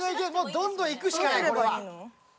どんどん行くしかないこれは。